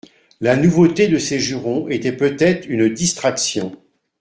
La nouveauté de ces jurons était peut-être une distraction.